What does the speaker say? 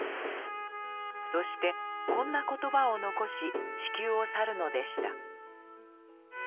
そしてこんな言葉を残し地球を去るのでした。